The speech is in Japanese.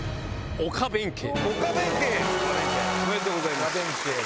おめでとうございます。